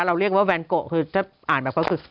เราเรียกว่าแวนโกะคือถ้าอ่านแบบก็คือ